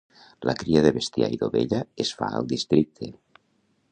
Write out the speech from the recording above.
La cria de bestiar i d'ovella es fa al districte.